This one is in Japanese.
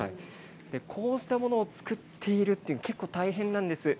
こうしたものを作っているというのは結構大変なんです。